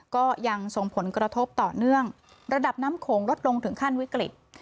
ก็ยังส่งผลกระทบต่อเนื่องระดับน้ำโขงลดลงถึงขั้นวิกฤต